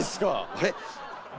あれ？